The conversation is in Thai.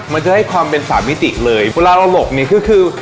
มันจะให้ความเป็นสามมิติเลยเวลาเราหลบเนี่ยคือคือ